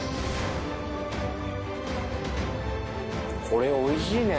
これおいしいね。